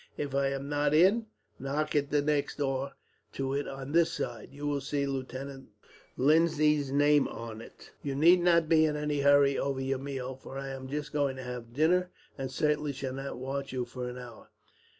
If I am not in, knock at the next door to it on this side. You will see Lieutenant Lindsay's name on it. "You need not be in any hurry over your meal, for I am just going to have dinner, and certainly shall not want you for an hour."